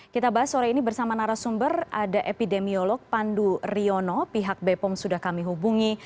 kita bahas sore ini bersama narasumber ada epidemiolog pandu riono pihak bepom sudah kami hubungi